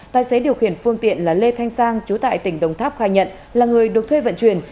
tài xế điều khiển phương tiện là lê thanh sang chú tại tỉnh đồng tháp khai nhận là người được thuê vận chuyển